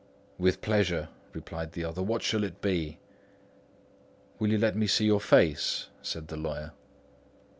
"With pleasure," replied the other. "What shall it be?" "Will you let me see your face?" asked the lawyer.